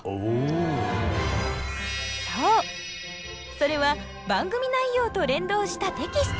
それは番組内容と連動したテキスト。